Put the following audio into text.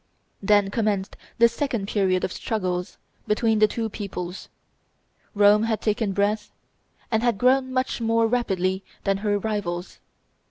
Then commenced the second period of struggles between the two peoples. Rome had taken breath, and had grown much more rapidly than her rivals.